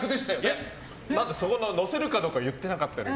いや、載せるかどうかは言ってなかったです。